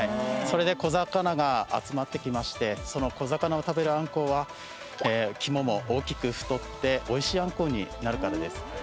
それで小魚が集まってきましてその小魚を食べるあんこうは肝も大きく太っておいしいあんこうになるからです。